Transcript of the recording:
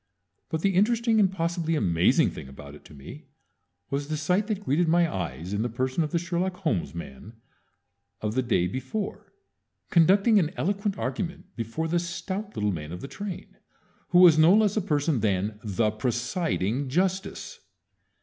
But the interesting and possibly amazing thing about it to me was the sight that greeted my eyes in the person of the Sherlock Holmes man of the day before, conducting an eloquent argument before the stout little man of the train, who was no less a person than the Presiding Justice!